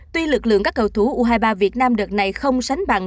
tuy lực lượng các cầu thủ u hai mươi ba việt nam đợt này không sánh bằng